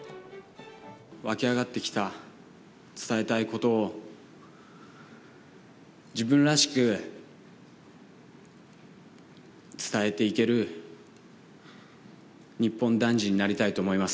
湧き上がってきた伝えたいことを、自分らしく伝えていける、日本男児になりたいと思います。